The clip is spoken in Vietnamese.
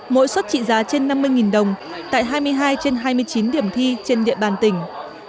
mỗi suất trị giá trên năm mươi đồng tại hai mươi hai trên hai mươi chín điểm thi trên địa bàn tỉnh